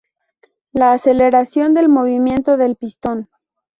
La aceleración del movimiento del pistón.